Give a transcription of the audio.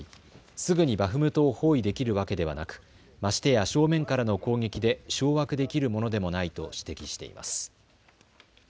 すぐにバフムトを包囲できるわけではなく、ましてや正面からの攻撃で掌握できるものでもないと指摘しています。